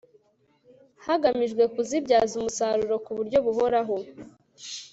hagamijwe kuzibyaza umusaruro ku buryo buhoraho